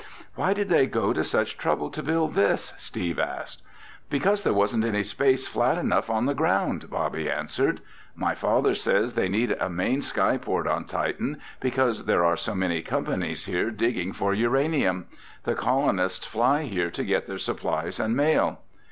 "Why did they go to such trouble to build this?" Steve asked. "Because there wasn't any place flat enough on the ground," Bobby answered. "My father says they need a main skyport on Titan because there are so many companies here digging for uranium. The colonists fly here to get their supplies and mail."